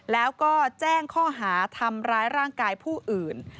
แล้วก็แจ้งข้อหาทำร้ายร่างกายผู้อื่น